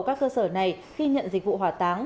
các cơ sở này khi nhận dịch vụ hỏa táng